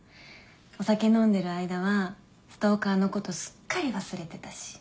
お酒飲んでる間はストーカーのことすっかり忘れてたし。